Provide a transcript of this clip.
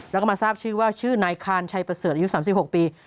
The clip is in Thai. แล้วก็มาทราบชื่อว่าชื่อนายคานชัยประเสริฐอายุ๓๖ปี